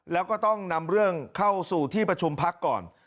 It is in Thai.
แล้วก็ต้องนำเรื่องเข้าสู่ที่ประชุมพักก่อน